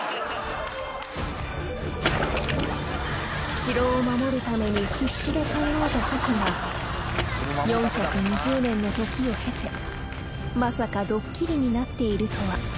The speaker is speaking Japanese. ［城を守るために必死で考えた策が４２０年の時を経てまさかドッキリになっているとは］